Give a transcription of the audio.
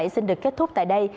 xin được kết thúc tại đây